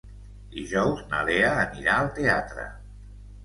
Dijous na Lea anirà al teatre.